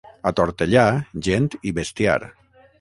A Tortellà, gent i bestiar.